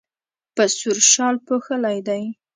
په سور شال پوښلی دی.